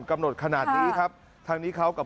กำหนดขนาดนี้ครับ